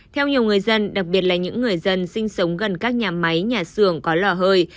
theo nhiều người dân đặc biệt là những người dân sinh sống gần các nhà máy nhà xưởng có lò hơi